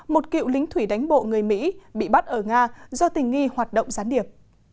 một cựu lính thủy đánh bộ người mỹ bị bắt ở nga do tình nghi hoạt động gián điệp